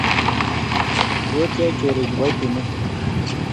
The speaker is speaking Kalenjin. kiiotyo chorik kiboitinik